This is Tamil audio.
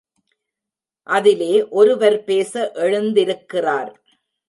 அதிலே ஒருவர் பேச எழுந்திருக்கிறார்.